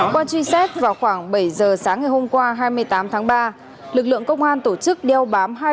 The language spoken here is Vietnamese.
qua truy xét vào khoảng bảy giờ sáng ngày hôm qua hai mươi tám tháng ba lực lượng công an tổ chức đeo bám